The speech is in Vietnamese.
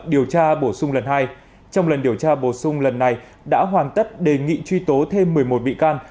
điều tra bổ sung lần hai trong lần điều tra bổ sung lần này đã hoàn tất đề nghị truy tố thêm một mươi một bị can